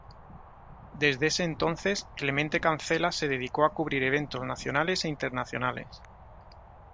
Desde ese entonces, Clemente Cancela se dedicó a cubrir eventos nacionales e internacionales.